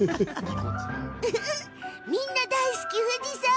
みんな大好き富士山。